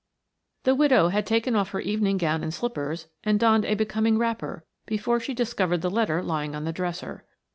The widow had taken off her evening gown and slippers and donned a becoming wrapper before she discovered the letter lying on the dresser.